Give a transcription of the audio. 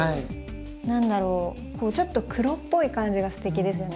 何だろうちょっと黒っぽい感じがステキですね。